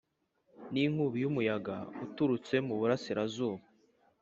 n’inkubi y’umuyaga uturutse mu burasirazuba.